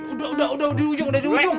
udah udah udah di ujung udah di ujung